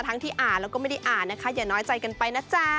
ที่อ่านแล้วก็ไม่ได้อ่านนะคะอย่าน้อยใจกันไปนะจ๊ะ